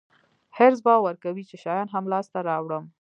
حرص به ورکوي چې شیان هم لاسته راوړم.